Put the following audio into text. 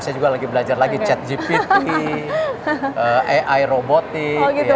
saya juga lagi belajar lagi chat gpt ai robotik